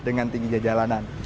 dengan tingginya jalanan